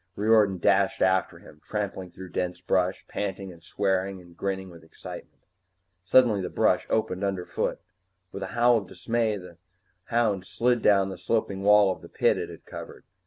Riordan dashed after him, trampling through dense bush, panting and swearing and grinning with excitement. Suddenly the brush opened underfoot. With a howl of dismay, the hound slid down the sloping wall of the pit it had covered.